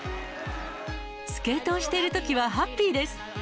スケートをしているときはハッピーです。